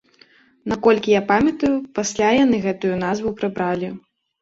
Наколькі я памятаю, пасля яны гэтую назву прыбралі.